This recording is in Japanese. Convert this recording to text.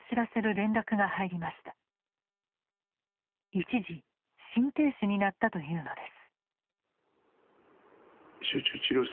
一時心停止になったというのです。